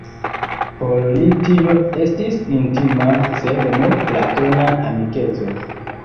Por li tio estis intima, sed nur platona amikeco.